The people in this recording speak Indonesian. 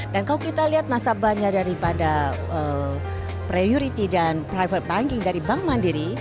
dan kalau kita lihat nasabahnya daripada prioritas dan private banking dari bank mandiri